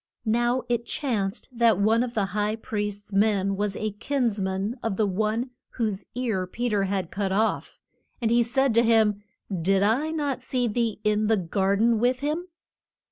Now it chanced that one of the high priest's men was a kins man of the one whose ear Pe ter had cut off. And he said to him, Did I not see thee in the gar den with him?